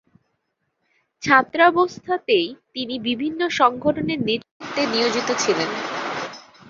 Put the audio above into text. ছাত্রাবস্থাতেই তিনি বিভিন্ন সংগঠনের নেতৃত্বে নিয়োজিত ছিলেন।